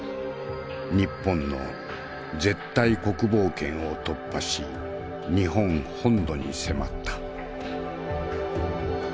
日本の絶対国防圏を突破し日本本土に迫った。